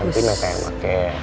r nanti nanti aku yang pake